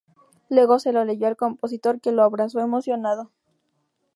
Luego, se lo leyó al compositor, que lo abrazó emocionado.